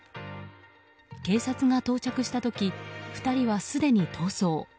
警察が到着した時２人はすでに逃走。